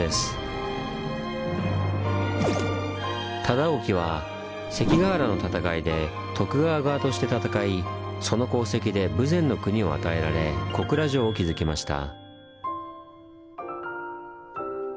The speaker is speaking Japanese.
忠興は関ケ原の戦いで徳川側として戦いその功績で豊前国を与えられ小倉城を築きました。